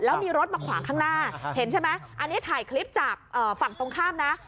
แล้วมีรถมาขวางข้างหน้าเห็นใช่ไหมอันนี้ถ่ายคลิปจากฝั่งตรงข้ามนะ